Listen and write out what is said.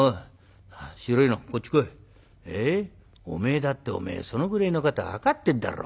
おめえだっておめえそのぐれえのことは分かってんだろ。